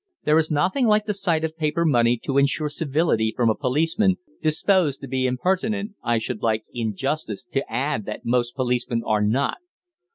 There is nothing like the sight of paper money to ensure civility from a policeman disposed to be impertinent I should like, in justice, to add that most policemen are not.